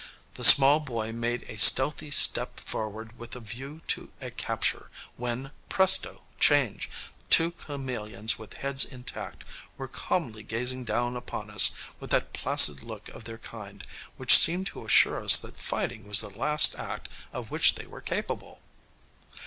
The Small Boy made a stealthy step forward with a view to a capture, when, presto! change! two chameleons with heads intact were calmly gazing down upon us with that placid look of their kind which seemed to assure us that fighting was the last act of which they were capable.